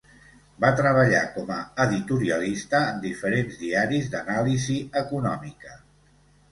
Va treballar com a editorialista en diferents diaris d'anàlisi econòmica.